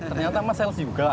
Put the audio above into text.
ternyata mas sales juga